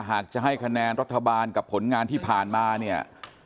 หากจะให้คะแนนรัฐบาลกับผลงานที่ผ่านมาเนี่ย